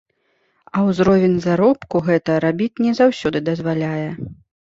А ўзровень заробку гэта рабіць не заўсёды дазваляе.